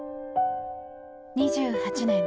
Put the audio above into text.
２８年。